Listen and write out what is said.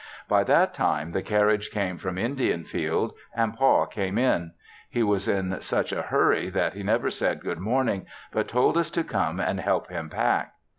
By that time the carriage came from Indianfield, and Pa came in; he was in such a hurry that he never said "Good morning," but told us to come and help him pack.